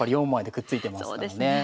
４枚でくっついてますからね。